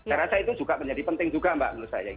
saya rasa itu juga menjadi penting juga mbak menurut saya